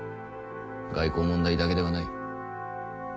外交問題だけではない。